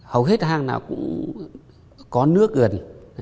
hầu hết hang nào cũng có nước gần